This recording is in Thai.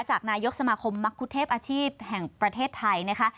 จากนายกสมาคมมักคุเทพอาชีพแห่งประเทศไทยนะคะ